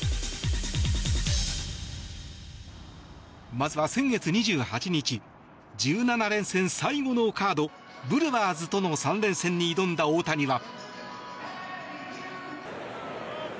まずは先月２８日１７連戦最後のカードブルワーズとの３連戦に挑んだ大谷は。